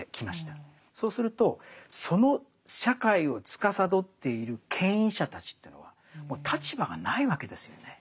そうするとその社会をつかさどっている権威者たちというのはもう立場がないわけですよね。